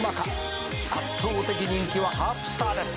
「圧倒的人気はハープスターです」